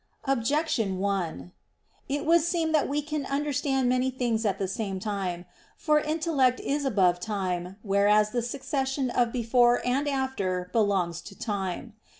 Objection 1: It would seem that we can understand many things at the same time. For intellect is above time, whereas the succession of before and after belongs to time.